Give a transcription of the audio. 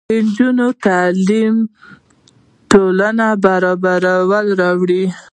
د نجونو تعلیم د ټولنې برابري راولي.